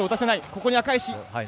ここに赤石。